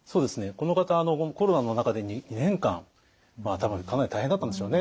この方コロナの中で２年間多分かなり大変だったんでしょうね。